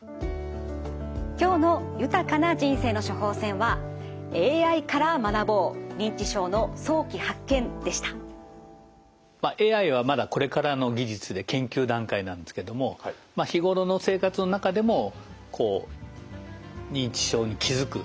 今日の豊かな人生の処方せんはＡＩはまだこれからの技術で研究段階なんですけども日頃の生活の中でもこう認知症に気付くきっかけがあると。